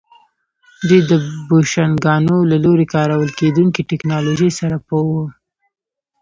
دوی د بوشنګانو له لوري کارول کېدونکې ټکنالوژۍ سره پوه وو